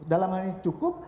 dalam hal ini cukup